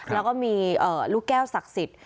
แล้วก็มีลูกแก้วศักดิ์สิทธิ์